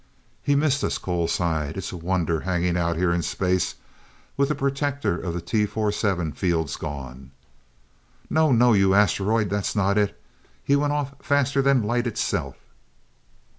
"He missed us," Cole sighed. "It's a wonder hanging out here in space, with the protector of the T 247's fields gone." "No, no, you asteroid that's not it. _He went off faster than light itself!